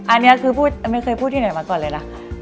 อันนี้คือไม่เคยพูดที่ไหนมาก่อนเลยนะ